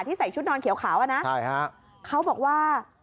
ใส่ชุดนอนเขียวขาวอ่ะนะใช่ฮะเขาบอกว่า